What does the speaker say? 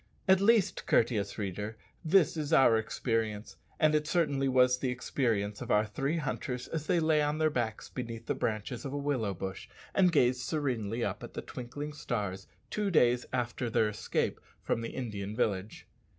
At least, courteous reader, this is our experience; and certainly this was the experience of our three hunters as they lay on their backs beneath the branches of a willow bush and gazed serenely up at the twinkling stars two days after their escape from the Indian village.